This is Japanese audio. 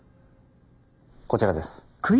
こちらです。